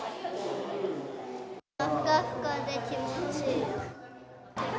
ふかふかで気持ちいい。